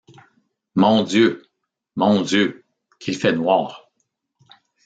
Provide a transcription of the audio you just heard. Mon Dieu ! mon Dieu ! qu’il fait noir !